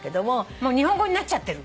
もう日本語になっちゃってる？